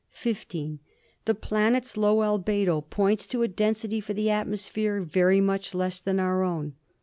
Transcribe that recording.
"(15) The planet's low albedo points to a density for the atmosphere very much less than our own.